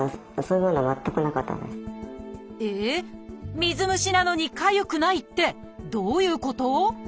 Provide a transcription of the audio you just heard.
水虫なのにかゆくないってどういうこと？